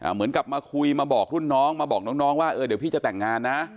เหมือนกับมาคุยมาบอกรุ่นน้องมาบอกน้องว่าเดี๋ยวพี่จะแต่งงานนะ